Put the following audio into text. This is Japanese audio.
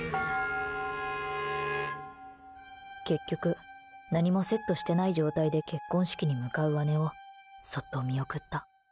結局何もセットしてない状態で結婚式に向かう姉をそっと見送った。